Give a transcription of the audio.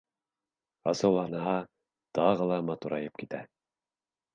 Асыуланһа, тағы ла матурайып китә.